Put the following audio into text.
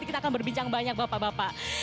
kita akan berbincang banyak bapak bapak